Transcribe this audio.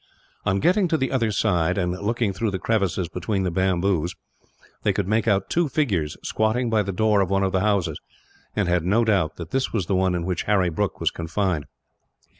On getting to the other side, and looking through the crevices between the bamboos, they could make out two figures squatted by the door of one of the houses; and had no doubt that this was the one in which Harry Brooke was confined.